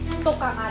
untuk kak adi